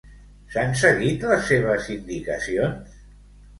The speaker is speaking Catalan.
S'han seguit les seves indicacions?